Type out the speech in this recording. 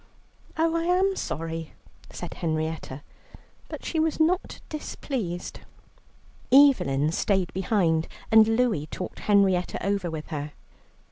"Oh, I am sorry," said Henrietta, but she was not displeased. Evelyn stayed behind, and Louie talked Henrietta over with her.